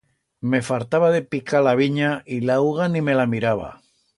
Me fartaba de picar la vinya y la uga ni me la miraba.